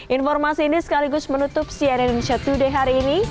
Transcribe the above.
informasi ini sekaligus menutup cnn indonesia today hari ini